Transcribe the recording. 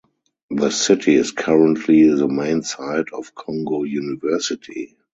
The city is currently the main site of Kongo University.